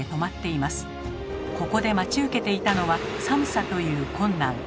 ここで待ち受けていたのは「寒さ」という困難。